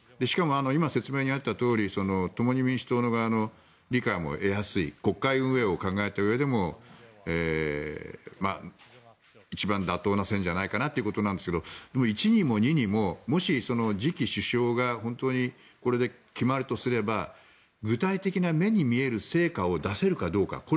しかも今、説明にあったとおり共に民主党の側の理解も得やすい国会運営を考えたうえでも一番妥当な線じゃないかということなんですが一にも二にも、次期首相が本当にこれで決まるとすれば具体的な目に見える成果を出せるかどうか。